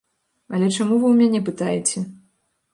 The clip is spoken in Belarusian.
Але чаму вы ў мяне пытаеце?